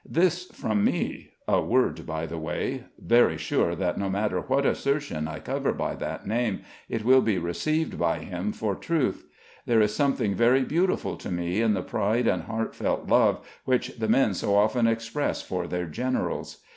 This from me, a word by the way, very sure that no matter what assertion I cover by that name, it will be received by him for truth. There is something very beautiful to me in the pride and heartfelt love which the men so often express for their generals.